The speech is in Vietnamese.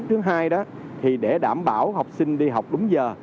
thứ hai đó thì để đảm bảo học sinh đi học đúng giờ